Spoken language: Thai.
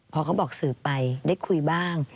พอเขาบอกสื่อไปได้คุยบ้าง